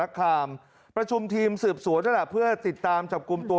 คามประชุมทีมสืบสวนนั่นแหละเพื่อติดตามจับกลุ่มตัว